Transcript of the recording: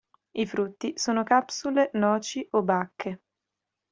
I frutti sono capsule, noci o bacche.